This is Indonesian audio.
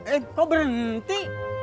eh kok berhenti